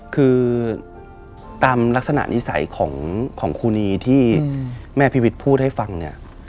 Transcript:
คือตามลักษณะนิสัยของครูนีที่แม่พิวิทย์พูดให้ฟังเนี่ย